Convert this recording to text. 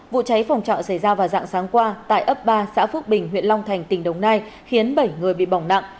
vụ cháy phòng trọ xảy ra vào dạng sáng qua tại ấp ba xã phước bình huyện long thành tỉnh đồng nai khiến bảy người bị bỏng nặng